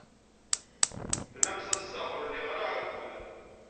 Bnaqes, ass-a ur liɣ ara akud.